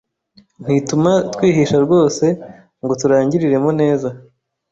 Ntituma twihisha rwose ngo turangiliremo neza